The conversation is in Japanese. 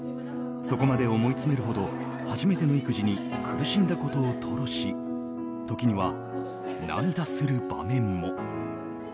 そこまで思いつめるほど初めての育児に苦しんだことを吐露し時には、涙する場面も。